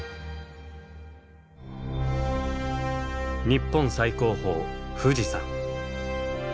日本最高峰富士山。